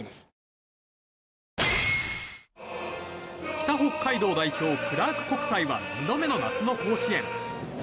北北海道代表・クラーク国際は２度目の夏の甲子園。